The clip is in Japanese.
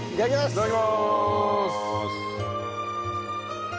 いただきます。